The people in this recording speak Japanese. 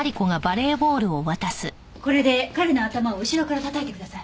これで彼の頭を後ろから叩いてください。